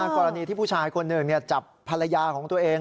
กรณีที่ผู้ชายคนหนึ่งจับภรรยาของตัวเอง